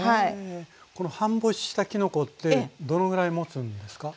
この半干ししたきのこってどのぐらいもつんですか？